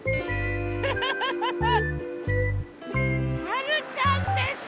はるちゃんです！